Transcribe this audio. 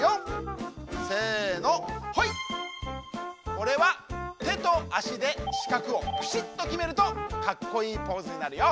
これはてとあしでしかくをピシッときめるとかっこいいポーズになるよ！